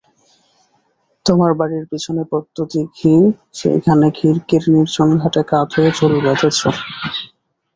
তোমার বাড়ির পিছনে পদ্মদিঘি, সেইখানে খিড়কির নির্জন ঘাটে গা ধুয়ে চুল বেঁধেছ।